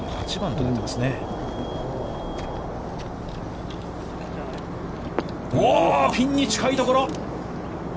おっ、ピンに近いところ！